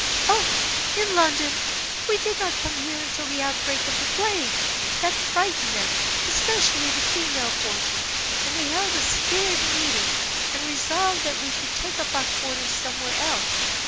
"Oh, in London! We did not come here until the outbreak of the plague that frightened them, especially the female portion, and they held a scared meeting, and resolved that we should take up our quarters somewhere else.